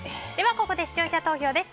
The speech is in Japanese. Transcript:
ここで視聴者投票です。